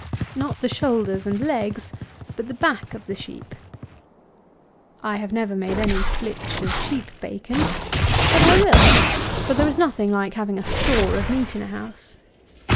Not the shoulders and legs, but the back of the sheep. I have never made any flitch of sheep bacon; but I will; for there is nothing like having a store of meat in a house.